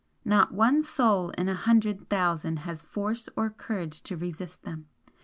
Not one soul in a hundred thousand has force or courage to resist them!